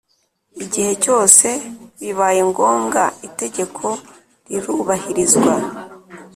igihe cyose bibaye ngombwa itegeko rirubahirizwa